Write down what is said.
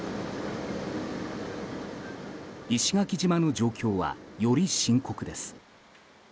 石垣島の状況は、より深刻です。